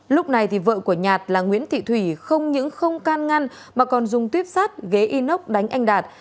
lúc này vợ của nhạt là nguyễn thị thủy không những không can ngăn mà còn dùng tuyếp sát ghế inox đánh anh đạt